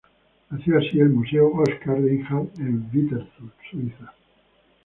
Nació así el Museo Oskar Reinhart en Winterthur, Suiza.